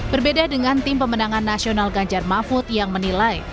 berbeda dengan tim pemenangan nasional ganjar mahfud yang menilai